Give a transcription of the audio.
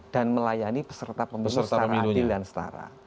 dan melayani peserta pemilu secara adil dan setara